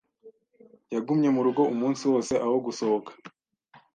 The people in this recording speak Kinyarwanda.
Yagumye mu rugo umunsi wose aho gusohoka.